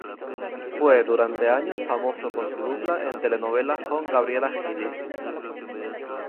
Fue durante años famoso por su dupla en telenovelas con Gabriela Gili.